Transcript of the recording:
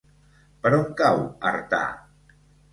Per on cau Artà?